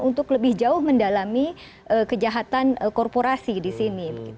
untuk lebih jauh mendalami kejahatan korporasi di sini